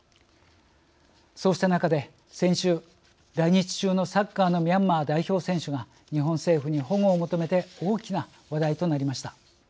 そうした中で先週来日中のサッカーのミャンマー代表選手が日本政府に保護を求めて大きな話題となりました。